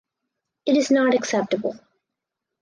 It is not acceptable.